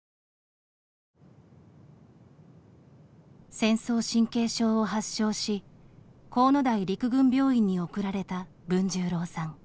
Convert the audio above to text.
戦争神経症を発症し国府台陸軍病院に送られた文十郎さん。